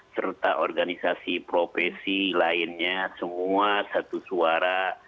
serta organisasi profesi lainnya semua satu suara